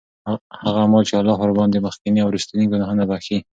هغه أعمال چې الله ورباندي مخکيني او وروستنی ګناهونه بخښي